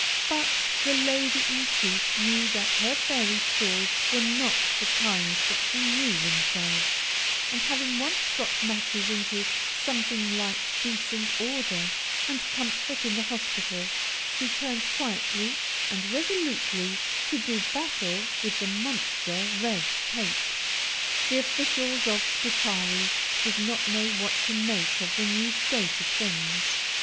But the Lady in Chief knew that her fairy stores were not of the kind that renew themselves; and having once got matters into something like decent order and comfort in the hospital, she turned quietly and resolutely to do battle with the monster Red Tape. The officials of Scutari did not know what to make of the new state of things.